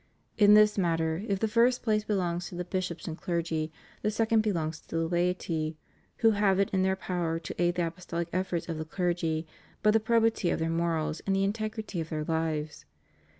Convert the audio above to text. In this matter, if the first place belongs to the bishops and clergy, the second belongs to the laity, who have it in their power to aid the apostolic efforts of the clergy by the probity of their morals and the integrity of their livec.